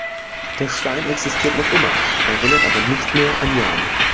Der Stein existiert noch immer, erinnert aber nicht mehr an Jahn.